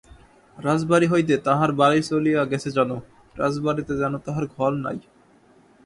রাজবাড়ি হইতে তাহার বাড়ি চলিয়া গেছে যেন, রাজবাড়িতে যেন তাহার ঘর নাই।